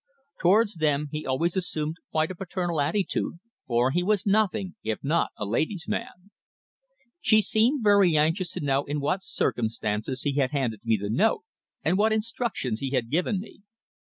Towards them he always assumed quite a paternal attitude, for he was nothing if not a ladies' man. She seemed very anxious to know in what circumstances he had handed me the note, and what instructions he had given me.